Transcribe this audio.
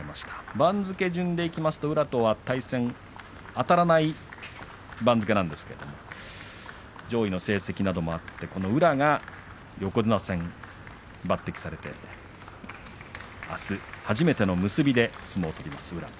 番付順にいきますと宇良とはあたらない番付なんですが上位の成績などもあって宇良が横綱戦抜てきされてあす初めての結びで相撲を取ります。